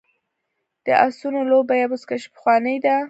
د اسونو لوبه یا بزکشي پخوانۍ ده